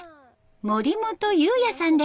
森本勇矢さんです。